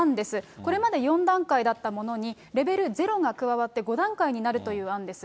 これまで４段階だったものに、レベルゼロが加わって、５段階になるという案です。